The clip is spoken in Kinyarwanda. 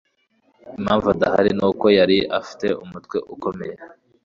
impamvu adahari ni uko yari afite umutwe ukomeye